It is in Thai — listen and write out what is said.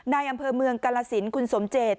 ในอำเภอเมืองกาลสินคุณสมเจต